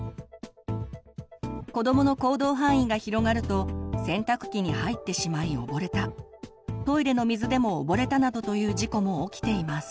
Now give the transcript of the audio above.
子どもの行動範囲が広がると洗濯機に入ってしまい溺れたトイレの水でも溺れたなどという事故も起きています。